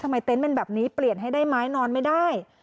เต็นต์เป็นแบบนี้เปลี่ยนให้ได้ไหมนอนไม่ได้